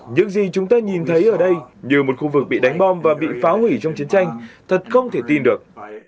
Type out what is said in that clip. những gì chúng ta nhìn thấy ở đây như một khu vực bị đánh bom và bị phá hủy trong chiến tranh thật không thể tin được